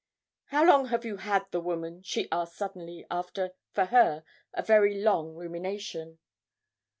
'How long have you had that woman?' she asked suddenly, after, for her, a very long rumination.